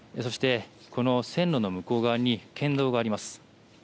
そして、この線路の向こう側に県道があります。